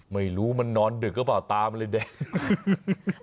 ไม่รู้มันนอนดึกหรือเปล่าตามันเลยแดง